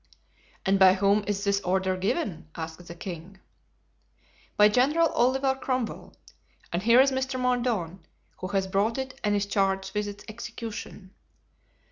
"And by whom is this order given?" asked the king. "By General Oliver Cromwell. And here is Mr. Mordaunt, who has brought it and is charged with its execution."